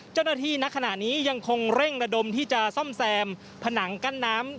เจ้าหน้าที่ในขณะนี้ยังคงเร่งระดมที่จะซ่อมแซมผนังกั้นน้ำ